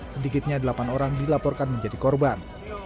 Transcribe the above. sedikitnya delapan orang dilaporkan menjadi korban